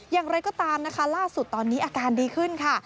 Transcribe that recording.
อย่างไรก็ตามนะคะล่าสุดตอนนี้อาการดีขึ้นค่ะ